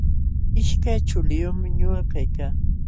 Ishkay chuliyumi ñuqa kaykaa.